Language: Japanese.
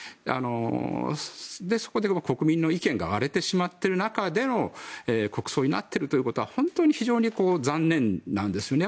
そこで国民の意見が割れてしまっている中での国葬になっているということは非常に残念なんですね。